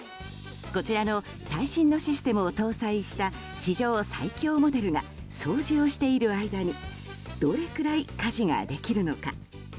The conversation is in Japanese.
こちらの最新のシステムを搭載した史上最強モデルが掃除をしている間にどれくらい家事ができるのか。